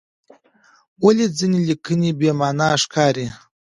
ولې ځینې لیکنې بې معنی ښکاري؟